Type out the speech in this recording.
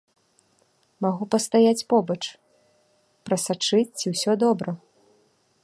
Магу пастаяць побач, прасачыць, ці ўсё добра.